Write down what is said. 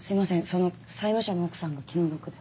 その債務者の奥さんが気の毒で。